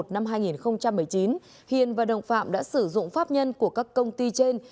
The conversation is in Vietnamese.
năm hai nghìn một mươi chín hiền và đồng phạm đã sử dụng pháp nhân của các công ty trên